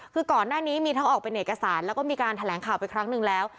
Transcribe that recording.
คือก่อนหน้านี้มีทั้งออกเป็นเอกสารแล้วก็มีการแถลงข่าวไปครั้งหนึ่งแล้ว